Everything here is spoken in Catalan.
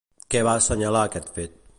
Què va assenyalar aquest fet?